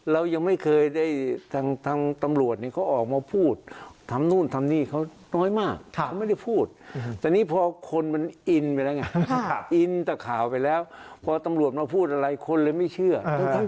เรายังไม่เคยได้ทางตำรวจเนี่ยเขาออกมาพูดทำนู่นทำนี่เขาน้อยมากเขาไม่ได้พูดแต่นี่พอคนมันอินไปแล้วไงอินแต่ข่าวไปแล้วพอตำรวจมาพูดอะไรคนเลยไม่เชื่อ